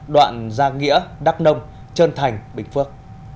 đoạn gia nghĩa đắk nông trân thành bình phước